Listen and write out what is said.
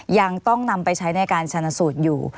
ยังต้องนำไปใช้ในการชนะสูตรอยู่